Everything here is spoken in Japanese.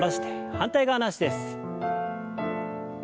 反対側の脚です。